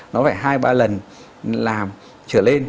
nó phải hai ba lần làm trở lên